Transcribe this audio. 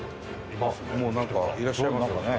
あっもうなんかいらっしゃいますね。